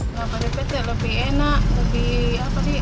nah pt pt lebih enak lebih